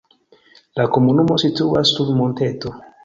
La komunumo situas sur monteto.